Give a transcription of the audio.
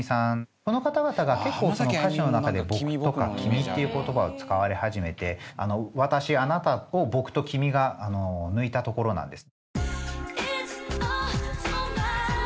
この方々が結構歌詞の中で「僕」とか「君」っていう言葉を使われ始めて「私」「あなた」を「僕」と「君」が抜いたところなんです。